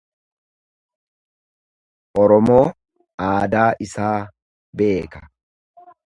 Oromoo aadaa isaa beeka.